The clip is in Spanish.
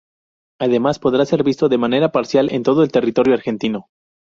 Además, podrá ser visto de manera parcial en todo el territorio argentino.